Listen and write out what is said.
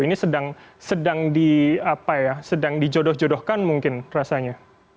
ini sedang di apa ya sedang dijodoh jodohkan mungkin rasanya